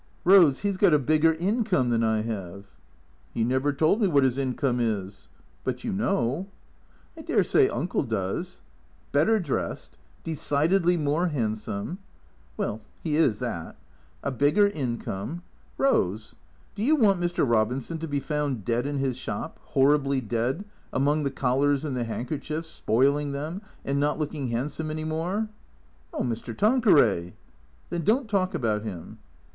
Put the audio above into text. " Rose — he 's got a bigger income than I have." " He never told me what his income is." " But you know ?'^" I dare say Uncle does." " Better dressed — decidedly more handsome "" Well — he is that." " A bigger income. Rose, do you want Mr. Robinson to be found dead in his shop — horribly dead — among the collars and the handkerchiefs — spoiling them, and — not — look ing — handsome — any more ?"" Oh, Mr. Tanqueray !"" Then don't talk about him."